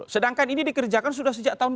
sedangkan ini dikerjakan sudah sejak tahun dua ribu